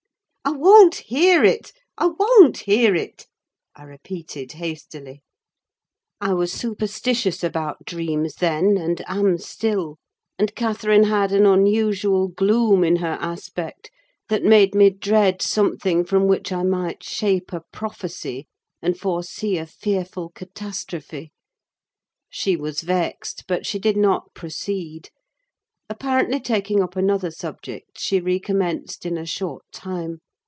"I won't hear it, I won't hear it!" I repeated, hastily. I was superstitious about dreams then, and am still; and Catherine had an unusual gloom in her aspect, that made me dread something from which I might shape a prophecy, and foresee a fearful catastrophe. She was vexed, but she did not proceed. Apparently taking up another subject, she recommenced in a short time.